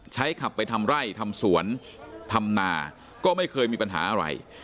ขับไปทำไร่ทำสวนทำนาก็ไม่เคยมีปัญหาอะไร